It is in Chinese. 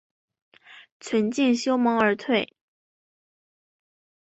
存敬修盟而退。